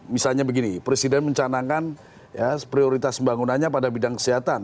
misalnya begini presiden mencanangkan prioritas pembangunannya pada bidang kesehatan